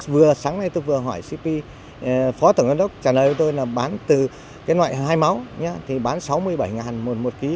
vừa sáng nay tôi vừa hỏi cp phó tổng đốc trả lời với tôi là bán từ cái loại hai máu thì bán sáu mươi bảy đồng một ký